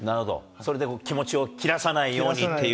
それで気持ちを切らさないようにっていう。